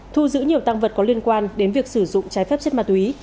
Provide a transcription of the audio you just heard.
thu giữ nhiều tăng vật có liên quan đến việc sử dụng trái phép chất ma túy